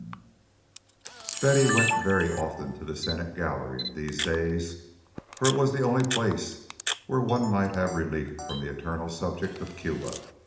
VII Betty went very often to the Senate Gallery in these days, for it was the only place where one might have relief from the eternal subject of Cuba.